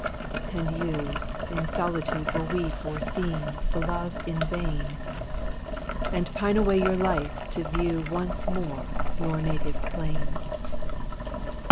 And you in solitude will weep O'er scenes beloved in vain, And pine away your life to view Once more your native plain.